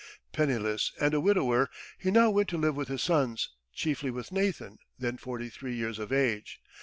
Penniless, and a widower, he now went to live with his sons, chiefly with Nathan, then forty three years of age.